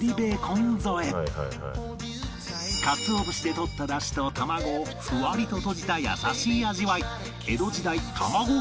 鰹節で取った出汁と卵をふわりととじた優しい味わい